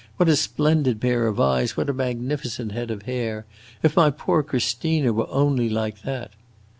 what a splendid pair of eyes, what a magnificent head of hair! If my poor Christina were only like that!